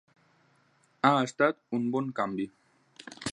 Ha estat un bon canvi.